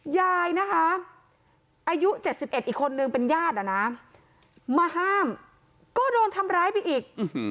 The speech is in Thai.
ยายนะคะอายุ๗๑อีกคนนึงเป็นญาติอ่ะนะมาห้ามก็โดนทำร้ายไปอีก